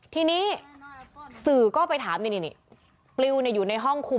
ทีนี้สื่อก็ไปถามกันอย่างนี้